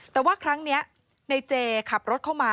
แต่ว่าครั้งนี้ในเจขับรถเข้ามา